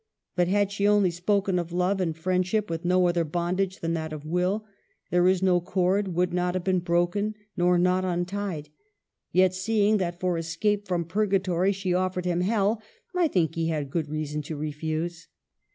But had she only spoken of love and friendship, with no other bondage than that of will, there is no cord would not have been broken nor knot untied ; yet, seeing that for escape from purga tory she offered him hell, I think he had good reason to refuse."